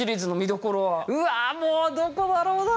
うわもうどこだろうな。